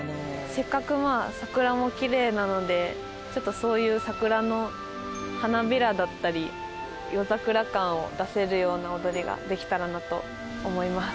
せっかくまあ桜もキレイなのでちょっとそういう桜の花びらだったり夜桜感を出せるような踊りができたらなと思います。